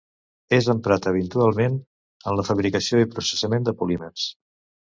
És emprat habitualment en la fabricació i processament de polímers.